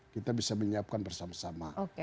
kita bisa menyiapkan bersama sama